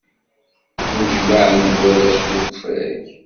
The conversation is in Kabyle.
Nnejmaɛen-d warrac deg ufrag.